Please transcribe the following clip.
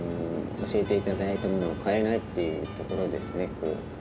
教えて頂いたものを変えないっていうところですね。